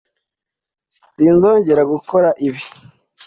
sinzongera gukora ibi